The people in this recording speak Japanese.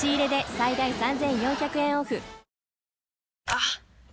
あっ！